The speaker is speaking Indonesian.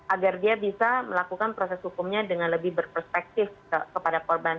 agar dia bisa melakukan proses hukumnya dengan lebih berperspektif kepada korban